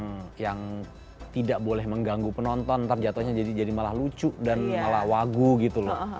yang tidak boleh mengganggu penonton ntar jatuhnya jadi malah lucu dan malah wagu gitu loh